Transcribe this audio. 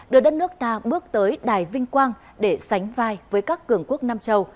đưa đất nước ta bước tới đài vinh quang để sánh vai với các cường quốc nam châu